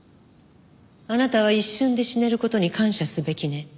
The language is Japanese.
あなたは一瞬で死ねる事に感謝すべきね。